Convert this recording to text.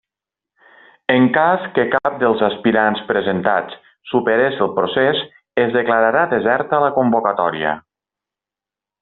En cas que cap dels aspirants presentats superes el procés es declararà deserta la convocatòria.